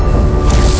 aku akan menangkanmu